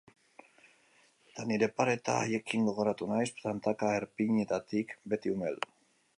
Eta ni pareta haiekin gogoratu naiz, tantaka erpinetatik, beti umel.